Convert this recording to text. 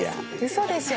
嘘でしょ？